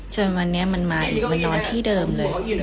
จนวันนี้มันมาอีกมันนอนที่เดิมเลย